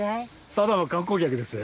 ただの観光客です。